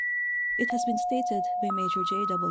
It has been stated by Major J.